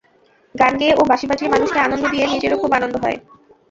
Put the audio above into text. গান গেয়ে ও বাঁশি বাজিয়ে মানুষকে আনন্দ দিয়ে নিজেরও খুব আনন্দ হয়।